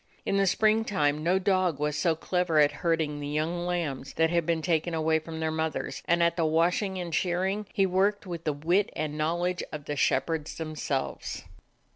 In the spring time no dog was so clever at herding the young lambs that had been taken away from their mothers, 63 DOG HEROES OF MANY LANDS and at the washing and shearing he worked with the wit and knowledge of the shepherds themselves.